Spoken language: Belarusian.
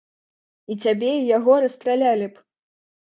І цябе і яго расстралялі б!